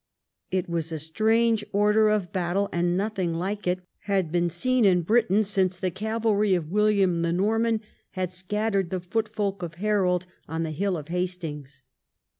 It was a strange order of battle, and nothing like it had been seen in Britain since the cavalry of William the Norman had scattered the foot folk of Harold on the hill of Hastings.